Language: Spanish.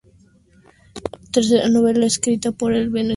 Tercera novela escrita por el venezolano Vicente Ulive-Schnell.